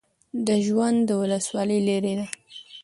د جوند ولسوالۍ لیرې ده